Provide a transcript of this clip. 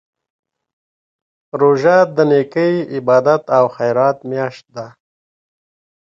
روژه د نېکۍ، عبادت او خیرات میاشت ده.